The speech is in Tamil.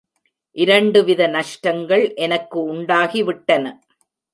இரண்டு வித நஷ்டங்கள் எனக்கு உண்டாகி விட்டன.